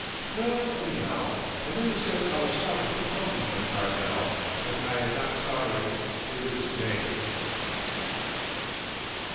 Well, anyhow I never said I was sorry for pounding young Garvell, and I am not sorry to this day.